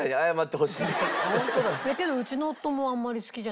けどうちの夫もあんまり好きじゃないって言う。